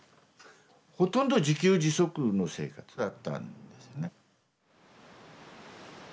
ほとんど自給自足の生活だったんですね。